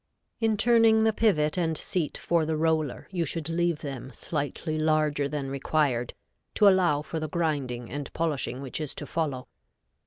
In turning the pivot and seat for the roller, you should leave them slightly larger than required, to allow for the grinding and polishing which is to follow.